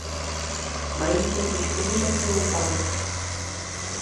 Mají totiž úžasnou paměť.